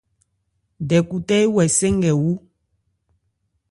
Dɛkhutɛ éwɛsɛ́ nkɛ wú.